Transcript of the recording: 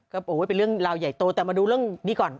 ก็เป็นเรื่องราวใหญ่โตแต่มาดูเรื่องนี้ก่อน